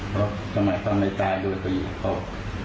ก็จะหมายคำในตาด้วยของเขา